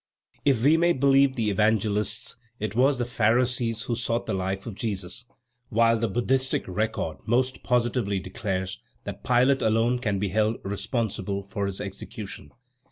If we may believe the Evangelists, it was the Pharisees who sought the life of Jesus, while the Buddhistic record most positively declares that Pilate alone can be held responsible for his execution.